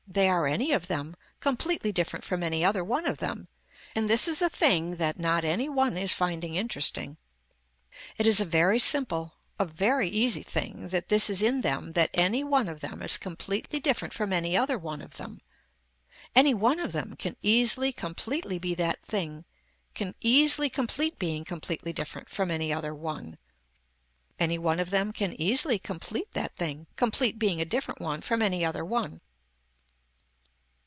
They are, any of them, completely different from any other one of them, and this is a thing that not any one is finding interesting. It is a very simple a very easy thing that this is in them that any one of them is completely different from any other one of them. Any one of them can easily completely be that thing can easily complete being completely different from any other one. Any one of them can easily complete that thing complete being a different one from any other one.